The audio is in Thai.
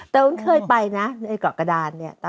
แต่วุ้นเคยไปนะในเกาะกระดานเนี่ย